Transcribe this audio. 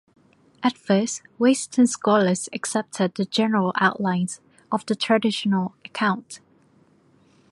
At first Western scholars accepted the general outlines of the traditional account.